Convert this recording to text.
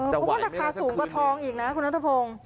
จะไหวไม่ได้สักคืนนึงคุณนัทธพงศ์ราคาสูงกว่าทองอีกนะ